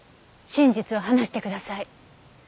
真実を話してください。